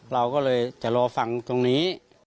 เราก็เลยจะรอฟังตรงนี้